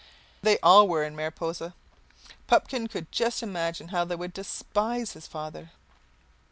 They all were in Mariposa. Pupkin could just imagine how they would despise his father!